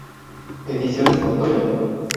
Ediciones Montoya.